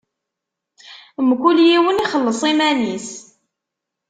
Mkul yiwen ixelleṣ iman-is.